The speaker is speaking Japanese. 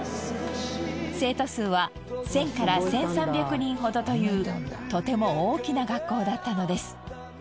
生徒数は１０００から１３００人ほどというとても大きな学校だったのです。